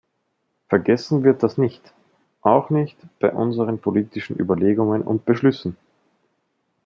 Vergessen wir das nicht, auch nicht bei unseren politischen Überlegungen und Beschlüssen!